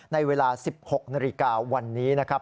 ในเวลา๑๖นวันนี้นะครับ